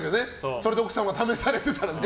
それで奥様が試されてたらね